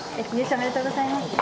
おめでとうございます。